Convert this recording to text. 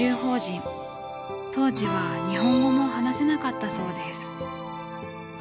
当時は日本語も話せなかったそうです。